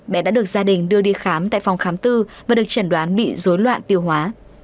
bé đã được gia đình đưa đi khám tại phòng khám tư và được chẩn đoán bị dối loạn tiêu hóa